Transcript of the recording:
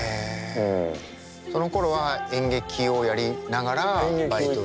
そのころは演劇をやりながらバイトして。